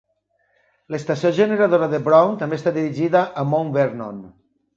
L'estació generadora de Brown també està dirigida a Mount Vernon.